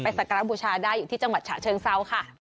สักการะบูชาได้อยู่ที่จังหวัดฉะเชิงเซาค่ะ